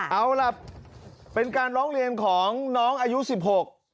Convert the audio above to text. เอาล่ะเป็นการร้องเรียนของน้องอายุสิบหก